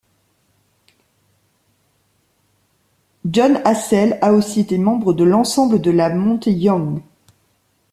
Jon Hassell a aussi été membre de l'ensemble de La Monte Young.